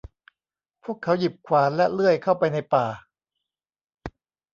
พวกเขาหยิบขวานและเลื่อยเข้าไปในป่า